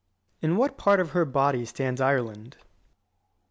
_ In what part of her body stands Ireland?